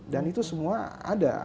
dan itu semua ada